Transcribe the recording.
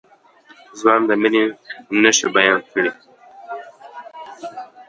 ځوان د مينې نښې بيان کړې.